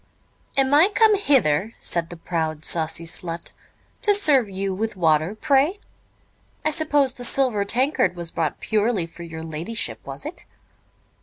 "Am I come hither," said the proud, saucy slut, "to serve you with water, pray? I suppose the silver tankard was brought purely for your ladyship, was it?